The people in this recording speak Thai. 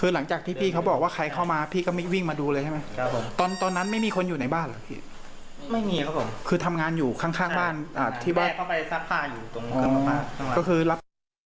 หลังจากที่พี่เขาบอกว่าใครเข้ามาพี่ก็ไม่วิ่งมาดูเลยใช่ไหมครับตอนตอนนั้นไม่มีคนอยู่ในบ้านหรือไม่มีครับผมคือทำงานอยู่ข้างบ้านที่บ้านเข้าไปทรัพย์ค่ะอยู่ตรงนั้นก็คือรับ